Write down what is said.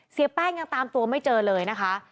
เสียแป้งยังตามตัวไม่เจอเลยนะคะ